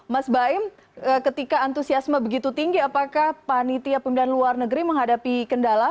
mas baim ketika antusiasme begitu tinggi apakah panitia pemilihan luar negeri menghadapi kendala